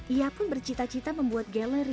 ia pun bercita cita membuat galeri